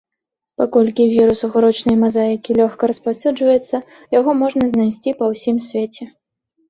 Паколькі вірус агурочнай мазаікі лёгка распаўсюджваецца, яго можна знайсці па ўсім свеце.